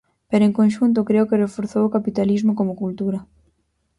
Pero en conxunto creo que reforzou o capitalismo como cultura.